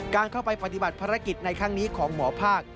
การเข้าไปปฏิบัติภารกิจในครั้งนี้ของหมอภาค